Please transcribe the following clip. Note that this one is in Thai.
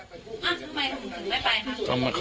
ทำไมถึงถึงไม่ไปครับ